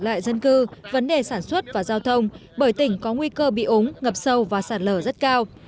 lại dân cư vấn đề sản xuất và giao thông bởi tỉnh có nguy cơ bị ống ngập sâu và sạt lở rất cao